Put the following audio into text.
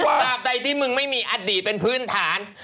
ตามใดที่มึงไม่มีอดีตเป็นพื้นฐาน